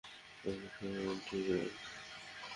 এটাই সেই অ্যান্টিক্রাইস্ট!